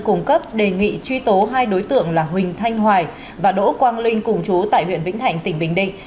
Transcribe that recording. cung cấp đề nghị truy tố hai đối tượng là huỳnh thanh hoài và đỗ quang linh cùng chú tại huyện vĩnh thạnh tỉnh bình định